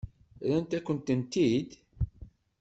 Rran-akent-tent-id?